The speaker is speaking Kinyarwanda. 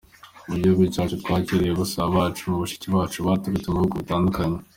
Mu gihugu cyacu twakiriye basaza bacu na bashiki bacu baturutse mu bihugu bitandukanye.